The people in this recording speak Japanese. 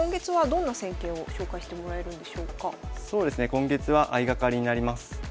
今月は相掛かりになります。